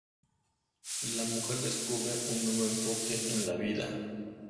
La mujer descubre un nuevo enfoque en la vida.